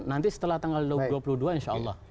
nanti setelah tanggal dua puluh dua insya allah